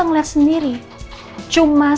ngeliat sendiri cuma